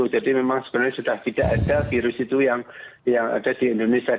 jadi memang sebenarnya sudah tidak ada virus itu yang ada di indonesia